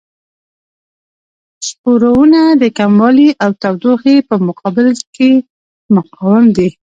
سپورونه د کموالي او تودوخې په مقابل کې مقاوم دي.